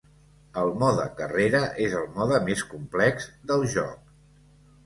El Mode Carrera és el mode més complex del joc.